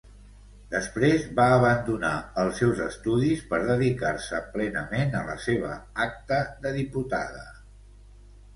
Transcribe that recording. Després va abandonar els seus estudis per dedicar-se plenament a la seva acta de diputada.